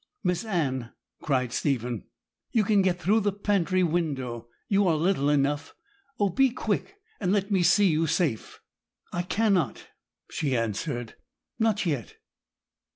'Miss Anne,' cried Stephen, 'you can get through the pantry window; you are little enough. Oh, be quick, and let me see you safe!' 'I cannot,' she answered: 'not yet!